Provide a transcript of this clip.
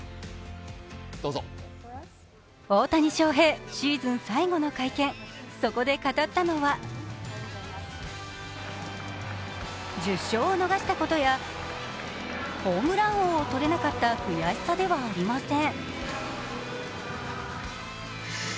大谷翔平、シーズン最後の会見、そこで語ったのは１０勝を逃したことや、ホームラン王を取れなかった悔しさではありません。